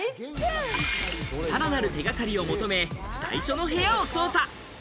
さらなる手掛かりを求め、最初の部屋を捜査。